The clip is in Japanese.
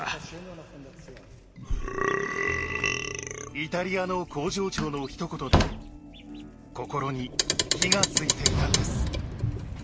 イタリアの工場長のひと言で心に火がついていたんです。